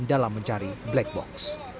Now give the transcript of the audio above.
dalam mencari black box